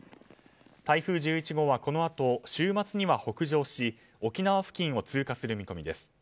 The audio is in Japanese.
台風１１号はこのあと週末には北上し沖縄付近を通過する見込みです。